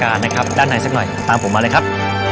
น้ำมัสกาลนะครับด้านหลังสักหน่อยตามผมมาเลยครับ